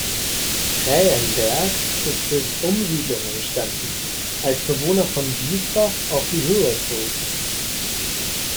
Krähenberg ist durch Umsiedelung entstanden, als Bewohner von Wiesbach auf die Höhe zogen.